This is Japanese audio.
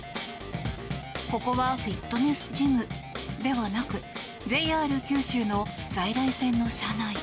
ここはフィットネスジムではなくＪＲ九州の在来線の車内。